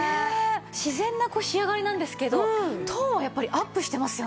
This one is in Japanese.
自然な仕上がりなんですけどトーンやっぱりアップしてますよね。